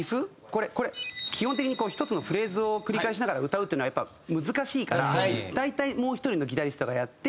基本的に１つのフレーズを繰り返しながら歌うっていうのはやっぱ難しいから大体もう１人のギタリストがやって。